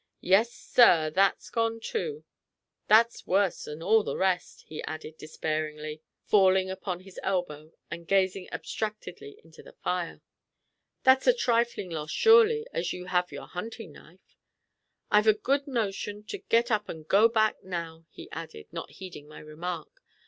"Yes, sir, that's gone, too; that's worse than all the rest," he added, despairingly, falling upon his elbow, and gazing abstractedly into the fire. "That's a trifling loss, surely, as you have your hunting knife." "I've a good notion to get up and go back now," he added, not heeding my remark.